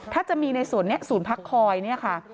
ถ้าจะมีในศูนย์นี้ศูนย์พักคอยนี้ค่ะ